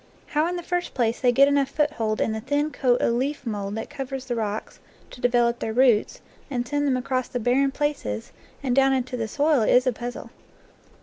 How in the first place they get enough foothold in the thin coat of leaf mould that covers the rocks to develop their roots and send them across the barren places and down into the soil is a puzzle.